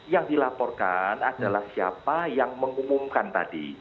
yang dilaporkan adalah siapa yang mengumumkan tadi